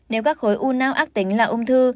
nếu các khối u não ác tính là ung thư